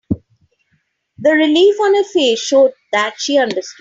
The relief on her face showed that she understood.